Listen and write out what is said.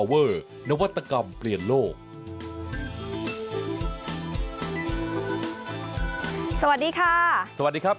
สวัสดีครับ